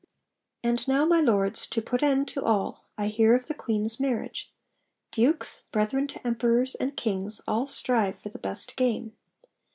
'And now, my Lords, to put end to all, I hear of the Queen's marriage; dukes, brethren to emperors, and kings, all strive for the best game.